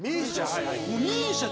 ＭＩＳＩＡ